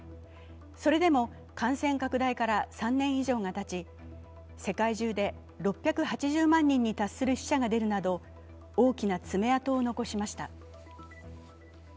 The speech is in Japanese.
それでも感染拡大から３年以上がたち、世界中で６８０万人に達する死者が出るなど大きな爪痕を残しました。